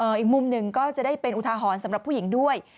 อีกมุมหนึ่งก็จะได้เป็นอุทาหรณ์สำหรับผู้หญิงด้วย